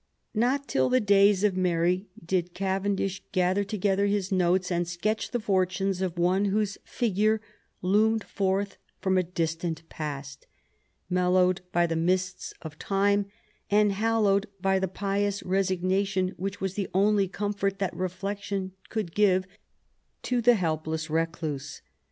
Not till the days of Mary did Cavendish gather together his notes and sketch the fortunes of one whose figure loomed forth from a distant past, mellowed by the mists of time, and hallowed by the pious resignation which was the only comfort that reflection could give to the helpless recluse.